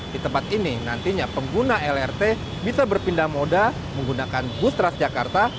di tempat ini nantinya pengguna lrt bisa berpindah moda menggunakan bus transjakarta